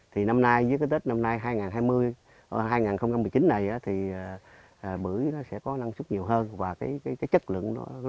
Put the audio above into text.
thì năm nay với cái tết năm nay hai nghìn hai mươi hai nghìn một mươi chín này thì bưởi nó sẽ có năng suất nhiều hơn và cái chất lượng nó